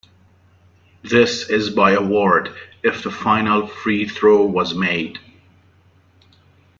This is by award, if the final free throw was made.